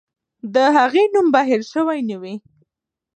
د هغې نوم به هېر سوی نه وي.